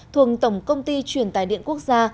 thuần tổng công ty truyền tài điện quốc gia